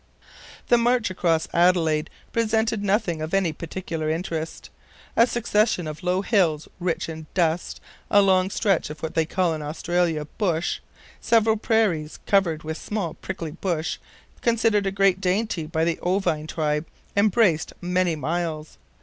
The march across Adelaide presented nothing of any particular interest. A succession of low hills rich in dust, a long stretch of what they call in Australia "bush," several prairies covered with a small prickly bush, considered a great dainty by the ovine tribe, embraced many miles.